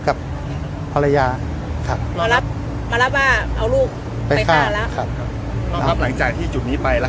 ไม่ยังอยู่ระหว่างสอบสวนอยู่